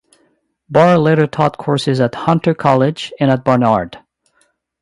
Barr later taught courses at Hunter College and at Barnard.